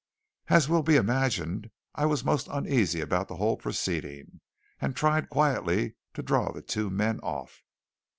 As will be imagined, I was most uneasy about the whole proceeding, and tried quietly to draw the two men off.